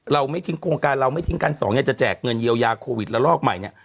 เราไม่ทิ้งโครงการเราไม่ทิ้งกันสองเนี่ยจะแจกเงินเยียวยาโควิดละลอกใหม่เนี่ย